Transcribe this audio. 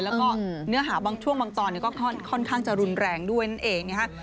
แล้วก็เนื้อหาบางช่วงบางตอนก็ค่อนข้างจะรุนแรงด้วยนั่นเองนะฮะ